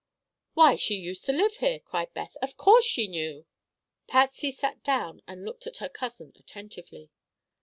"Why, she used to live here!" cried Beth. "Of course she knew." Patsy sat down and looked at her cousin attentively.